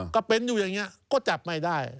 ก็เป็นอยู่อย่างนี้ก็จับไม่ได้